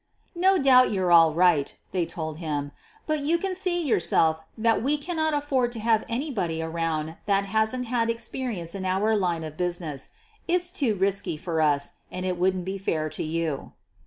"No doubt you're all right," they told him, "but you can see yourself that we can't afford to have anybody around that hasn't had experience in our line of business. It's too risky for us, and it wouldn't be fair to you."